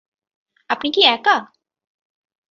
আপনি কি একা?